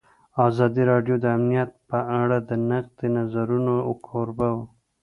ازادي راډیو د امنیت په اړه د نقدي نظرونو کوربه وه.